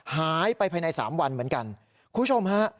หายไปภายใน๓วันเหมือนกันคุณผู้ชมฮะ